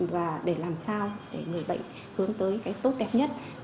và để làm sao để người bệnh hướng tới cái tốt đẹp nhất